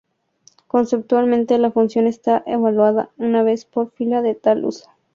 Conceptualmente, la función está evaluada una vez por fila en tal uso.